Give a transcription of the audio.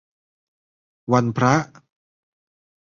วันพระ